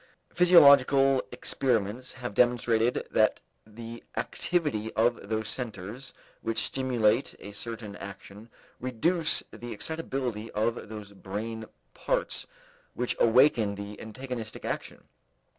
Physiological experiments have demonstrated that the activity of those centers which stimulate a certain action reduce the excitability of those brain parts which awaken the antagonistic action.